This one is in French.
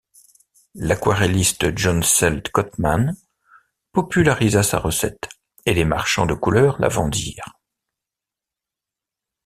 L'aquarelliste John Sell Cotman popularisa sa recette, et les marchands de couleur la vendirent.